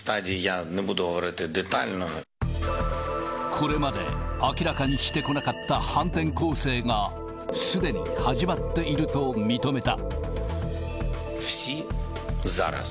これまで明らかにしてこなかった反転攻勢が、すでに始まっていると認めた。